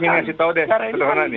saya ingin kasih tau deh